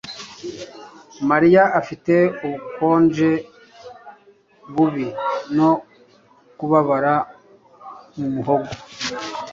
Mariya afite ubukonje bubi no kubabara mu muhogo